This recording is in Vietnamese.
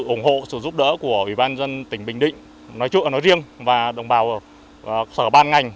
sự ủng hộ sự giúp đỡ của ủy ban dân tỉnh bình định nói riêng và đồng bào sở ban ngành